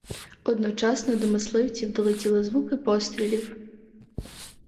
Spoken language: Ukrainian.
Одночасно до мисливців долетіли звуки пострілів.